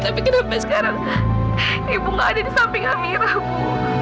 tapi kenapa sekarang ibu nggak ada di samping amirah bu